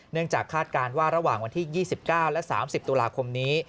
จากคาดการณ์ว่าระหว่างวันที่๒๙และ๓๐ตุลาคมนี้